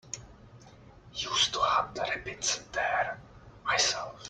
Used to hunt rabbits there myself.